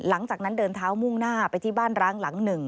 หลังจากนั้นเดินเท้ามุ่งหน้าไปที่บ้านร้างหลังหนึ่ง